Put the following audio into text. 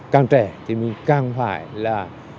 càng trẻ thì mình càng phải là